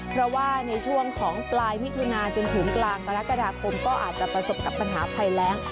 เพราะว่าในช่วงของปลายมิถุนาจนถึงกลางกรกฎาคมก็อาจจะประสบกับปัญหาภัยแรง